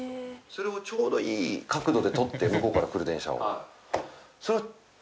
ちょうどいい角度で撮って向こうから来る電車を。